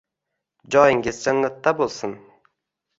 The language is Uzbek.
Joyingiz jannatda boʻlsin.